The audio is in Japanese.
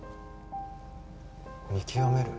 見極める